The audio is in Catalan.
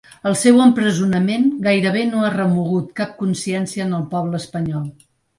El seu empresonament gairebé no ha remogut cap consciència en el poble espanyol.